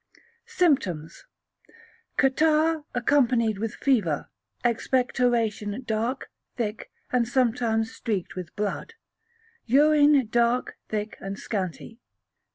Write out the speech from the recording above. Symptoms. Catarrh accompanied with fever, expectoration dark, thick, and sometimes streaked with blood; urine dark, thick, and scanty.